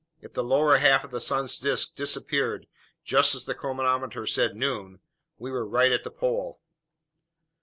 If the lower half of the sun's disk disappeared just as the chronometer said noon, we were right at the pole.